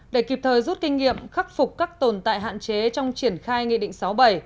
để kịp thời rút kinh nghiệm khắc phục các tồn tại hạn chế trong triển khai nghị định sáu bảy